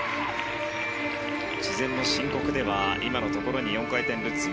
事前の申告では今のところに４回転ルッツ